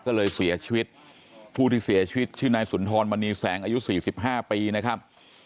ก็เลยเสียชีวิตผู้ที่เสียชีวิตชื่อนายสุนทรมณีแสงอายุ๔๕ปีนะครับ